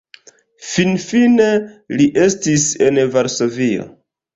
Finfine li estis en Varsovio.